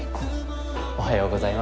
おはようございます。